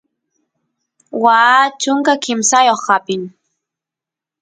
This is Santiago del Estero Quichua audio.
waa chunka kimsayoq apin